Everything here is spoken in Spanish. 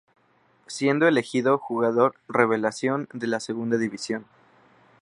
Siendo elegido "Jugador Revelación" de la segunda división.